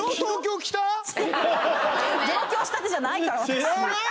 上京したてじゃないから私知らない？